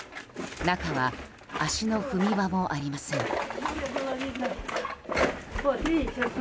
中は、足の踏み場もありません。